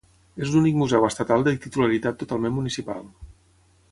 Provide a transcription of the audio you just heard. És l'únic museu estatal de titularitat totalment municipal.